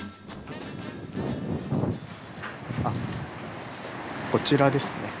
あっこちらですね。